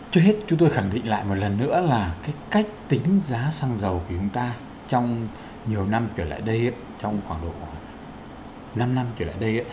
trước hết chúng tôi khẳng định lại một lần nữa là cái cách tính giá xăng dầu của chúng ta trong nhiều năm trở lại đây trong khoảng độ năm năm trở lại đây